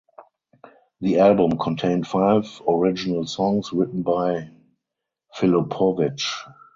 The album contained five original songs written by Filipowicz.